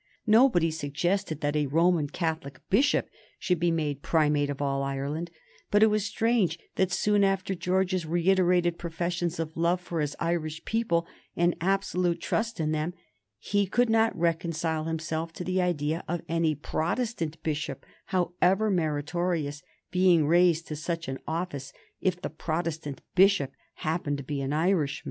Nobody suggested that a Roman Catholic bishop should be made Primate of All Ireland, but it was strange that soon after George's reiterated professions of love for his Irish people, and absolute trust in them, he could not reconcile himself to the idea of any Protestant bishop, however meritorious, being raised to such an office if the Protestant bishop happened to be an Irishman.